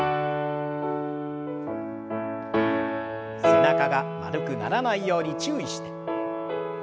背中が丸くならないように注意して。